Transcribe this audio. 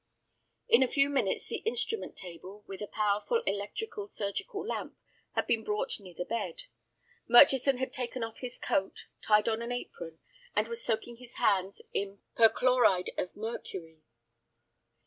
In a few minutes the instrument table, with a powerful electric surgical lamp, had been brought near the bed. Murchison had taken off his coat, tied on an apron, and was soaking his hands in perchloride of mercury.